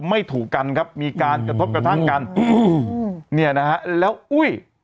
ไม่ถูกกันครับมีการกระทบกระทั่งกันอืมเนี่ยนะฮะแล้วอุ้ย